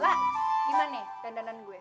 lah gimana nih dandanan gue